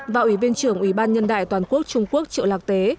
và ủy viên trưởng ủy ban nhân đại toàn quốc trung quốc triệu lạc tế